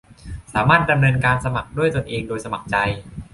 สามารถดำเนินการสมัครด้วยตนเองโดยสมัครใจ